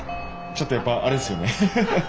ちょっとやっぱあれっすよね。